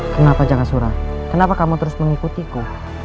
kenapa jakasura kenapa kamu terus mengikutiku